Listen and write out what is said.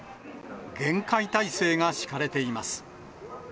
厳戒態勢が敷かれています。